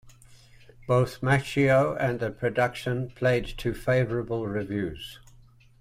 Both Macchio and the production played to favorable reviews.